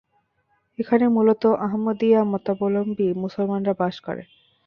এখানে মূলত আহমদিয়া মতাবলম্বী মুসলমানরা বাস করে।